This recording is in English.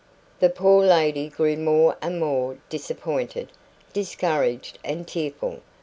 The poor lady grew more and more disappointed, discouraged and tearful.